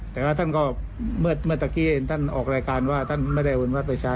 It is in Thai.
แต่ว่าท่านก็เมื่อตะกี้ท่านออกรายการว่าท่านไม่ได้เอาเงินวัดไปใช้